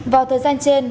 vào thời gian trên